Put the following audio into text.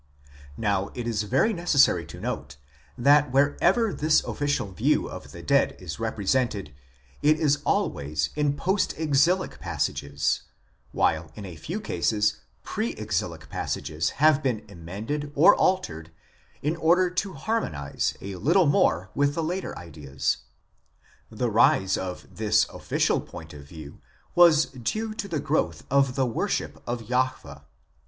Now it is very neces sary to note that wherever this official view of the dead is represented it is always in post exilic passages, while in a few cases pre exilic passages have been emended or altered in order to harmonize a little more with the later ideas. The rise of this official point of view was due to the growth of the worship of Jahwe.